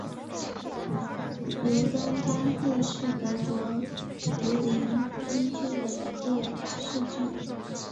尤登巴赫是德国图林根州的一个市镇。